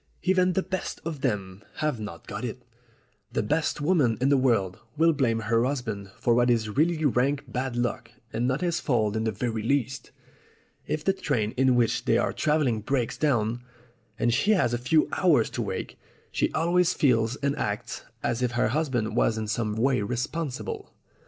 Even the best of them have not got it. The best woman in the world will blame her husband for what is really rank bad luck and not his fault in the very least. If the train in which they are travelling breaks down, and she has a few hours to wait, she always feels and acts as if her husband was in some way responsible."